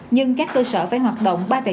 nhưng các cơ sở văn hóa không có kinh doanh